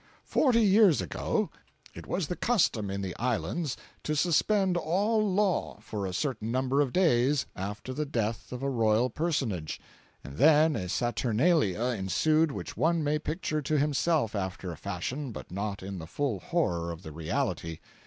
Forty years ago it was the custom in the Islands to suspend all law for a certain number of days after the death of a royal personage; and then a saturnalia ensued which one may picture to himself after a fashion, but not in the full horror of the reality.